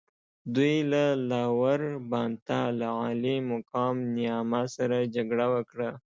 دوی له لاور بانتا له عالي مقام نیاما سره جګړه وکړه.